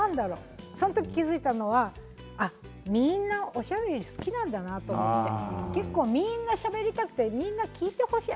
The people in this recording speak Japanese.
その時、気が付いたのはみんなおしゃべりが好きなんだなと思って結構みんなしゃべりたくてみんな聞いてほしい。